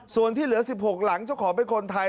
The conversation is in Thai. ส่วนที่เหลือ๑๖หลังเจ้าของเป็นคนไทย